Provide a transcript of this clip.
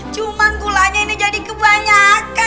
cuma gulanya ini jadi kebanyakan